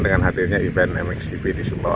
dengan hadirnya event mx gp di sumbawa